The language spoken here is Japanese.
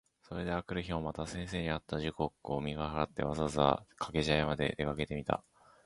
それで翌日（あくるひ）もまた先生に会った時刻を見計らって、わざわざ掛茶屋（かけぢゃや）まで出かけてみた。